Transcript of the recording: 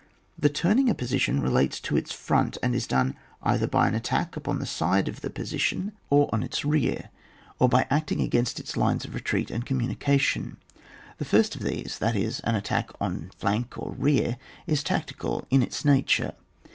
The turning a position relates to its front, and is done either by an attack upon the side of the position or on its rear, or by acting against its lines of retreat and communication. The first of these, that is, an attack on flank or rear is tactical in its nature.